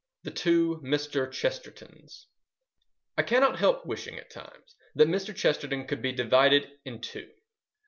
The Two Mr. Chestertons I cannot help wishing at times that Mr. Chesterton could be divided in two.